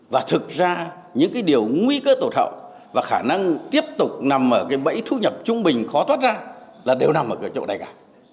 và thực ra những cái điều nguy cơ tổn và khả năng tiếp tục nằm ở cái bẫy thu nhập trung bình khó thoát ra là đều nằm ở cái chỗ này cả